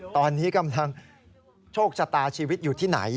ตอนนี้กำลังโชคชะตาชีวิตอยู่ที่ไหน